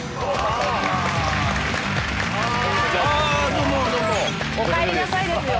どうもどうもお帰りなさいですよ